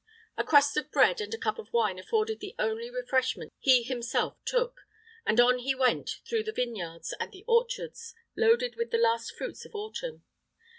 A crust of bread and a cup of wine afforded the only refreshment he himself took, and on he went through the vineyards and the orchards, loaded with the last fruits of autumn.